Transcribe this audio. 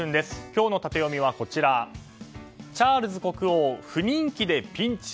今日のタテヨミはチャールズ国王不人気でピンチ？